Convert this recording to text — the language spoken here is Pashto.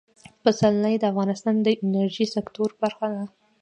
پسرلی د افغانستان د انرژۍ سکتور برخه ده.